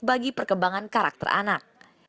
bagi perkembangan karakter anak